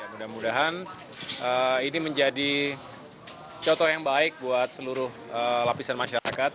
mudah mudahan ini menjadi contoh yang baik buat seluruh lapisan masyarakat